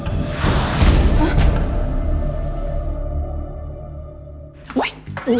เยี่ยมเยี่ยมพี่ดึก